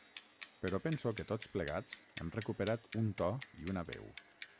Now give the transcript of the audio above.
Però penso que tots plegats hem recuperat un to i una veu.